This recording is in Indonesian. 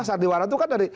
sandiwara itu kan dari